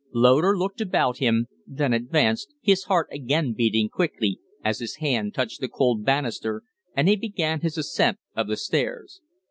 Loder looked about him, then advanced, his heart again beating quickly as his hand touched the cold banister and he began his ascent of the stairs.